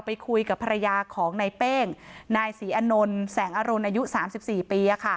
ไปคุยกับภรรยาของนายเป้งนายศรีอนนท์แสงอรุณอายุ๓๔ปี